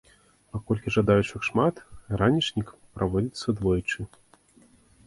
Паколькі жадаючых шмат, ранішнік праводзіцца двойчы.